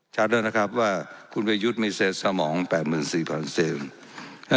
ชัดแล้วนะครับว่าคุณเวยุทธ์ไม่เสร็จสมอง๘๔๐๐๐เซลล์